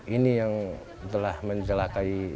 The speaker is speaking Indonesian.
ini yang telah menjelakai